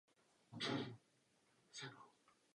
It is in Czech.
Jako klavírní pedagog vychoval mnoho vynikajících žáků.